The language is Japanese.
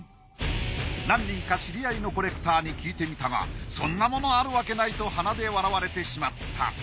何人か知り合いのコレクターに聞いてみたがそんなものあるわけないと鼻で笑われてしまった。